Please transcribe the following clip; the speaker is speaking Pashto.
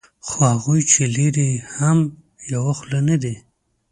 خو هغوی چې لري یې هم یوه خوله نه دي.